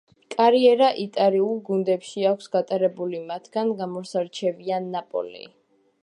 კარიერა იტალიურ გუნდებში აქვს გატარებული, მათგან გამოსარჩევია: ნაპოლი.